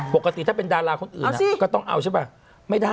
ปกติถ้าเป็นดาราคนอื่นก็ต้องเอาใช่ป่ะ